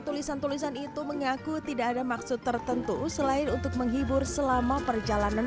tulisan tulisan itu mengaku tidak ada maksud tertentu selain untuk menghibur selama perjalanan